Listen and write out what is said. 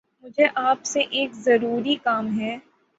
مجھے آپ سے ایک ضروری کام ہے